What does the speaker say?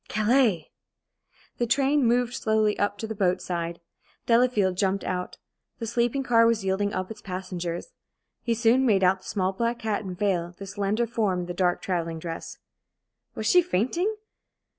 Calais! The train moved slowly up to the boat side. Delafield jumped out. The sleeping car was yielding up its passengers. He soon made out the small black hat and veil, the slender form in the dark travelling dress. Was she fainting?